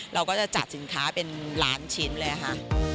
เราก็จะจัดสินค้าเป็นล้านชิ้นเลยค่ะ